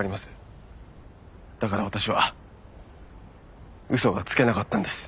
だから私は嘘がつけなかったんです。